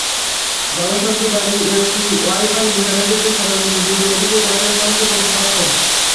গবেষকেদের দাবি, এটি ওয়াই-ফাই ইন্টারনেটের চেয়েও শতগুণ দ্রুতগতিতে তথ্য স্থানান্তর করতে সক্ষম।